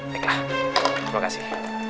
baiklah terima kasih